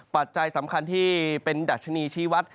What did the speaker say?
ปัจจัยสำคัญที่เป็นดัชนีชีวัตร